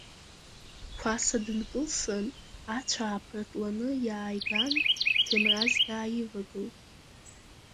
Қәаса дынкылсын, ацә ааԥыртланы иааиган, Ҭемраз дааивагылт.